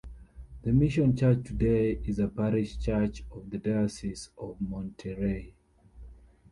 The mission church today is a parish church of the Diocese of Monterey.